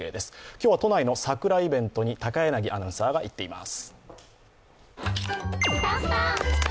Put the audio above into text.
今日は都内の桜イベントに高柳アナウンサーが行っています。